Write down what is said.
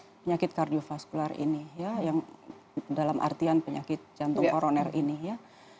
penyakit kardiofaskular ini ya yang dalam artian penyakit jantung koroner ini ya